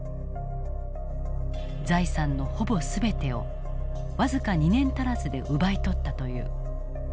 財産のほぼ全てを僅か２年足らずで奪い取ったという。